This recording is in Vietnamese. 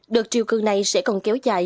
đợt triều cường này sẽ còn kéo dài